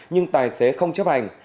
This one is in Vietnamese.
nhưng tài xế không chấp hành